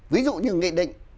ví dụ như nghị định